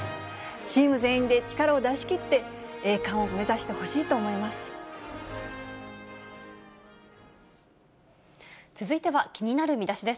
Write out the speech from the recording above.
チーム全員で力を出しきって、栄冠を目指してほしいと思います。